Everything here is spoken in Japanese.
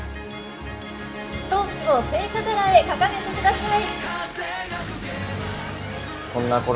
トーチを聖火皿へ掲げてください。